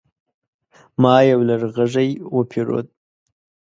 ما يو لرغږی وپيرود